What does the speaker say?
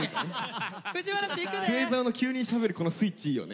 末澤の急にしゃべるこのスイッチいいよね。